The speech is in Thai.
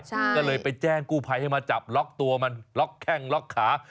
ก็เลยไปแจ้งกู้ภัยให้มาจับล็อกตัวมันล็อกแข้งล็อกขา